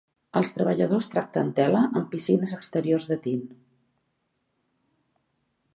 Els treballadors tracten tela en piscines exteriors de tint.